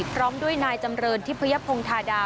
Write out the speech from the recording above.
พร้อมด้วยนายจำเรินทิพยพงธาดา